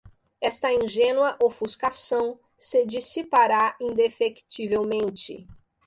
esta ingênua ofuscação se dissipará indefectivelmente